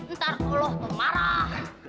ntar allah tuh marah